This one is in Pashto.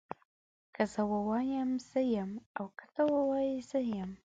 که زه ووایم زه يم او که ته ووايي زه يم